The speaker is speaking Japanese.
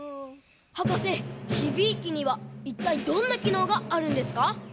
はかせヒビーキにはいったいどんな機能があるんですか？